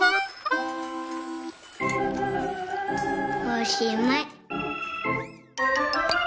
おしまい！